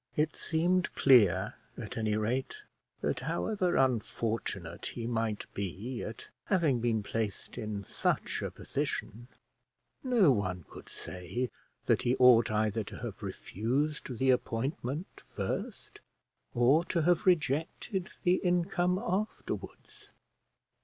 It seemed clear at any rate that, however unfortunate he might be at having been placed in such a position, no one could say that he ought either to have refused the appointment first, or to have rejected the income afterwards.